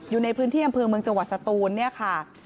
อยู่ในพื้นที่อำเภอเมืองจังหวัดสตูนเนี่ยค่ะ